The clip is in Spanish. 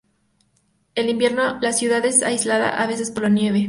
En invierno la ciudad es aislada a veces por la nieve.